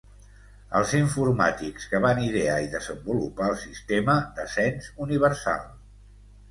Als informàtics que van idear i desenvolupar el sistema de cens universal.